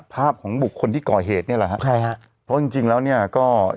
ภาพของบุคคลที่ก่อเหตุเนี่ยแหละฮะใช่ฮะเพราะจริงจริงแล้วเนี่ยก็